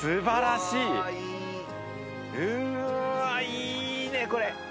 いいね、これ！